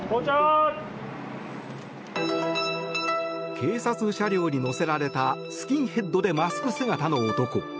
警察車両に乗せられたスキンヘッドでマスク姿の男。